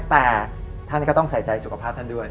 แต่ท่านก็ต้องใส่ใจสุขภาพท่านด้วย